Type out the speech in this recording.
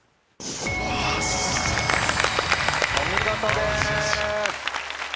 お見事です。